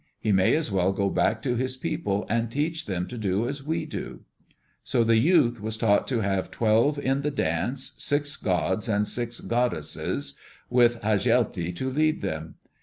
He may as well go back to his people and teach them to do as we do." So the youth was taught to have twelve in the dance, six gods and six goddesses, with Hasjelti to lead them.